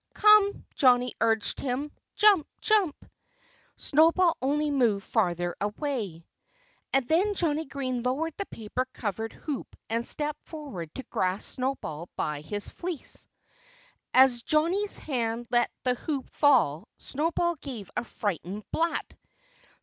"Come!" Johnnie urged him. "Jump! Jump!" Snowball only moved further away. And then Johnnie Green lowered the paper covered hoop and stepped forward to grasp Snowball by his fleece. As Johnnie's hand let the hoop fall Snowball gave a frightened blat.